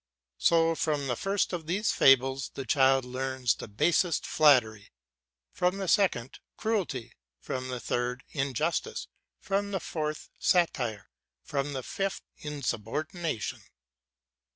So from the first of these fables the child learns the basest flattery; from the second, cruelty; from the third, injustice; from the fourth, satire; from the fifth, insubordination.